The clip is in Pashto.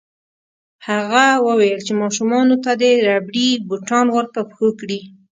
هغه وویل چې ماشومانو ته دې ربړي بوټان ورپه پښو کړي